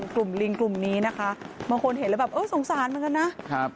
ลิงกลุ่มนี้นะคะบางคนเห็นแล้วแบบเออสงสารเหมือนกันนะครับ